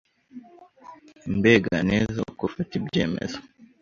Mbega neza ko ufata ibyemezo